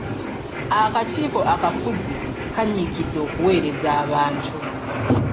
Akakiiko akafuzi kanyiikidde okuweereza abantu.